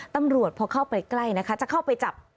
ตำรวจพอเข้าไปใกล้นะคะจะเข้าไปจับ